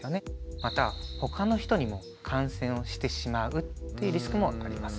またほかの人にも感染をしてしまうっていうリスクもあります。